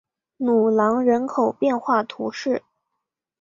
努朗人口变化图示